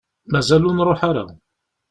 Mazal ur nruḥ ara.